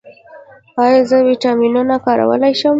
ایا زه ویټامینونه کارولی شم؟